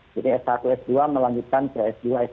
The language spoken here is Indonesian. jadi s satu s dua melanjutkan ke s dua s tiga